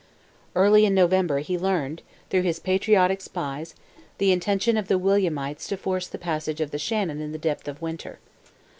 Early in November he learned through his patriotic spies the intention of the Williamites to force the passage of the Shannon in the depth of winter.